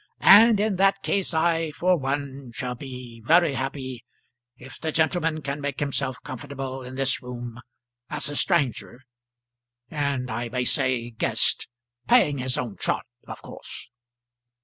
"And in that case, I, for one, shall be very happy if the gentleman cam make himself comfortable in this room as a stranger, and I may say guest; paying his own shot, of course."